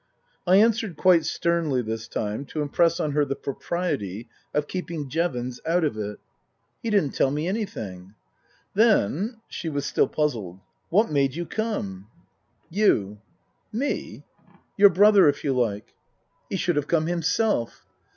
I answered quite sternly this time, to impress on her the propriety of keeping Jevons out of it. " He didn't tell me anything." " Then " she was still puzzled " what made you come ?" 72 Tasker Jevons " You." " Me ?"" Your brother, if you like." " He should have come himself."